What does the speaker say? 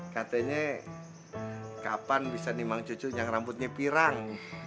katanya kapan bisa ni memang cucu yang rambutnya pirang